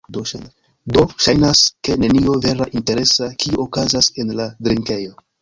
Do, ŝajnas, ke nenio vera interesa, kiu okazas en la drinkejo